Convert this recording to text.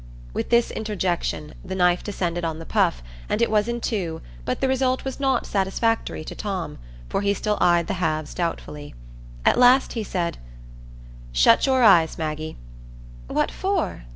With this interjection, the knife descended on the puff, and it was in two, but the result was not satisfactory to Tom, for he still eyed the halves doubtfully. At last he said,— "Shut your eyes, Maggie." "What for?"